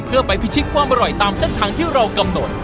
เพื่อไปพิชิตความอร่อยตามเส้นทางที่เรากำหนด